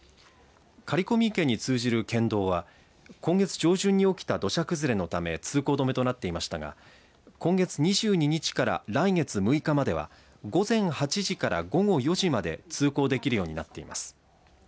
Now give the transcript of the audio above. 刈込池に通じる県道は今月上旬に起きた土砂崩れのため通行止めとなっていましたが今月２２日から来月６日までは午前８時から午後４時まで通行できるようになっています。